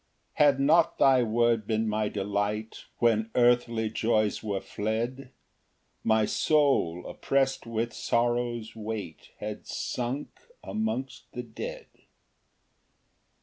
Ver. 92. 4 Had not thy word been my delight When earthly joys were fled, My soul opprest with sorrow's weight Had sunk amongst the dead.